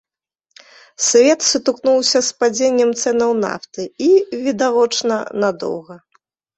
Свет сутыкнуўся з падзеннем цэнаў нафты, і, відавочна, надоўга.